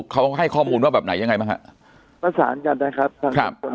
เขาให้ข้อมูลว่าแบบไหนยังไงบ้างฮะประสานกันนะครับทางสามคน